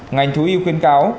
ngành thú y khuyên cáo